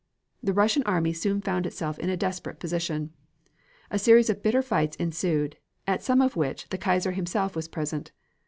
The Russian army soon found itself in a desperate position. A series of bitter fights ensued, at some of which the Kaiser himself was present.